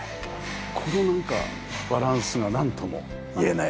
このなんかバランスがなんとも言えないです。